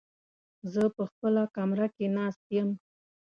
زه په خپله کمره کې ناست يم.